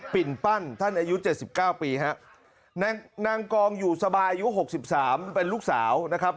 ปิ่นปั้นท่านอายุ๗๙ปีฮะนางกองอยู่สบายอายุ๖๓เป็นลูกสาวนะครับ